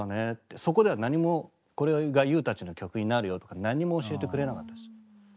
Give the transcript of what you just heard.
そこでは何もこれがＹＯＵたちの曲になるよとか何にも教えてくれなかったですね。